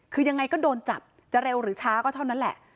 คือยังไงก็โดนจับจะเร็วหรือช้าก็เท่านั้นแหละ